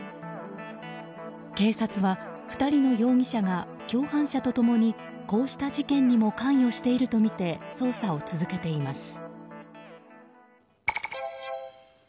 警察は２人の容疑者が共犯者と共にこうした事件にも関与しているとみて捜査を続けています。